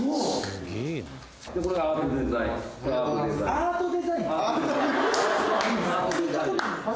アートデザイン。